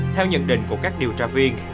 theo nhận định của các điều tra viên